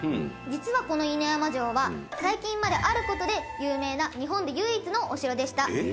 実は、この犬山城は最近まで、ある事で有名な日本で唯一のお城でした。